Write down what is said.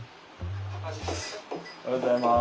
おはようございます。